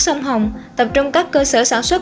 sông hồng tập trung các cơ sở sản xuất